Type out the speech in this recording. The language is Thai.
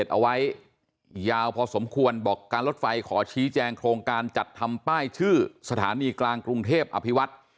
ทุกคนบอกการลดไฟขอชี้แจงโครงการจัดทำป้ายชื่อสถานีกลางกรุงเทพอภิวัตร